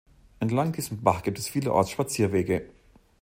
Entlang diesem Bach gibt es vielerorts Spazierwege.